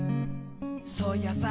そういやさ